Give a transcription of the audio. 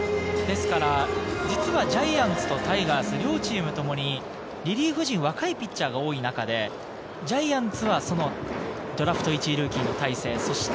実はジャイアンツとタイガース、両チームともにリリーフ陣、若いピッチャーが多い中でジャイアンツはそのドラフト１位ルーキーの大勢。